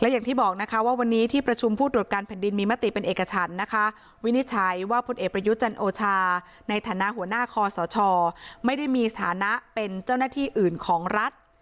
และอย่างที่บอกนะคะว่าวันนี้ที่ประชุมผู้ตรวจการแผ่นดินมีมติเป็นเอกฉันนะคะวินิจฉัยว่าพลเอกประยุทธ์จันโอชาในฐานะหัวหน้าคอสชไม่ได้มีสถานะเป็นเจ้าหน้าที่อื่นของรัฐ